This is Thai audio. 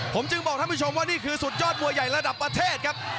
ผมจึงบอกท่านผู้ชมว่านี่คือสุดยอดมวยใหญ่ระดับประเทศครับ